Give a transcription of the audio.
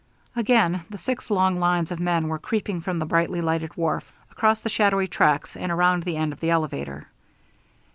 Again the six long lines of men were creeping from the brightly lighted wharf across the shadowy tracks and around the end of the elevator.